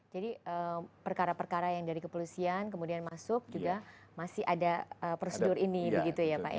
jadi perkara perkara yang dari kepolisian kemudian masuk juga masih ada prosedur ini begitu ya pak ya